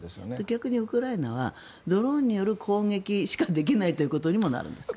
逆にウクライナはドローンによる攻撃しかできないということにもなるんですか。